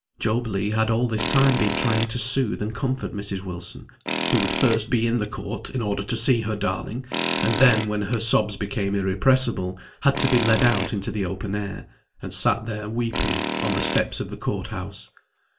Job Legh had all this time been trying to soothe and comfort Mrs. Wilson, who would first be in the court, in order to see her darling, and then, when her sobs became irrepressible, had to be led out into the open air, and sat there weeping, on the steps of the court house.